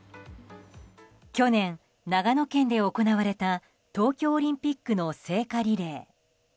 去年、長野県で行われた東京オリンピックの聖火リレー。